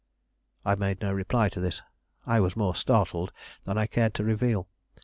I made no reply to this; I was more startled than I cared to reveal.